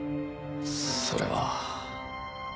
それは。